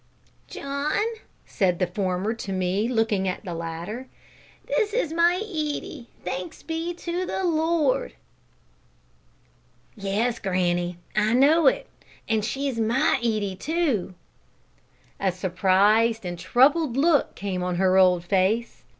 "John," said the former to me, looking at the latter, "this is my Edie, thanks be to the Lord." "Yes, granny, I know it, and she's my Edie too!" A surprised and troubled look came on her old face.